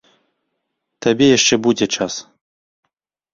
Табе яшчэ будзе час.